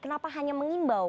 kenapa hanya mengimbau